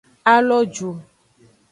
A lo ju.